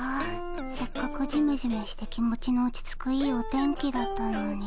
せっかくジメジメして気持ちの落ち着くいいお天気だったのに。